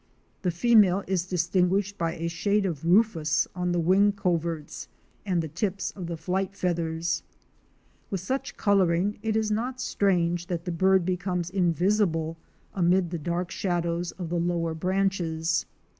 The female is distinguished by a shade of rufous on the wing coverts and the tips of the flight feathers. With such coloring it is not strange that the bird becomes invisible amid the dark shadows of the lower branches.